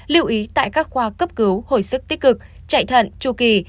lưu ý tại các khoa cấp cứu hồi sức tích cực chạy thận tru kỳ